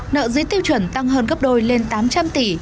nợ dưới tiêu chuẩn tăng hơn gấp đôi lên tám trăm linh tỷ